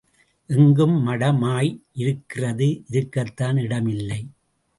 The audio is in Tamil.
எங்கும் மடமாய் இருக்கிறது இருக்கத்தான் இடம் இல்லை.